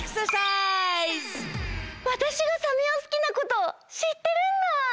わたしがサメをすきなことしってるんだ！